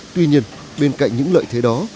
tuy nhiên bên cạnh những lợi thế đó